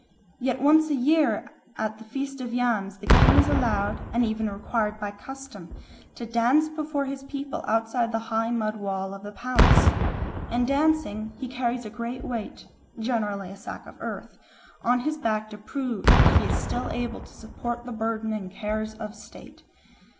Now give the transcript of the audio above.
Yet once a year at the Feast of Yams the king is allowed, and even required by custom, to dance before his people outside the high mud wall of the palace. In dancing he carries a great weight, generally a sack of earth, on his back to prove that he is still able to support the burden and cares of state.